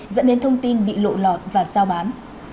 dẫn đến thông tin bị lộ lọt và giao bán